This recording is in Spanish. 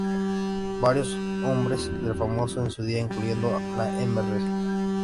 Varios nombres del famoso en su día, incluyendo la 'Mrs.